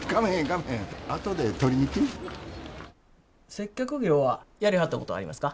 接客業はやりはったことありますか？